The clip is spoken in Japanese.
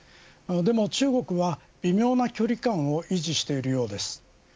でも中国は、微妙な距離感を維持しているようです。